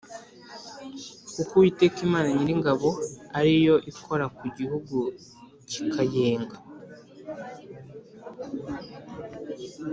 kuko Uwiteka Imana Nyiringabo ari yo ikora ku gihugu kikayenga